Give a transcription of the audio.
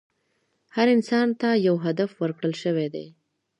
هر انسان ته یو هدف ورکړل شوی دی.